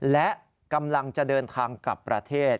และกำลังจะเดินทางกลับประเทศ